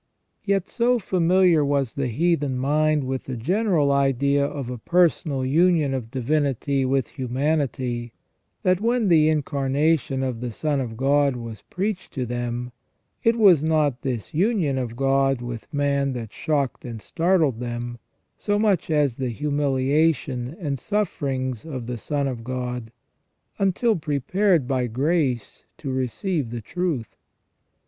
Yet so familiar was the heathen mind with the general idea of a personal union of divinity with humanity, that when the Incarnation of the Son of God was preached to them, it was not this union of God with man that shocked and startled them, so much as the humiliation and sufferings of the Son of God, until prepared by grace to receive the truth.